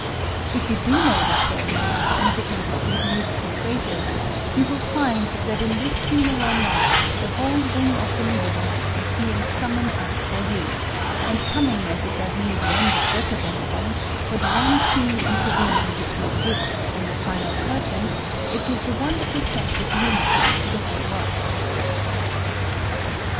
If you do know the story and the significance of these musical phrases, you will find that in this Funeral March the whole "Ring of the Nibelung" is being summed up for you, and coming as it does near the end of "Götterdämmerung," but one scene intervening between it and the final curtain, it gives a wonderful sense of unity to the whole work.